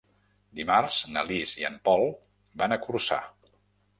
Dimarts na Lis i en Pol van a Corçà.